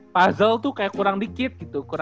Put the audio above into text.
puzzle tuh kayak kurang dikit gitu